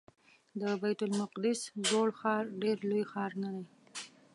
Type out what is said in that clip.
د بیت المقدس زوړ ښار ډېر لوی ښار نه دی.